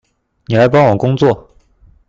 妳來幫我工作